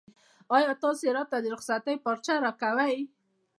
ایا تاسو راته د رخصتۍ پارچه راکوئ؟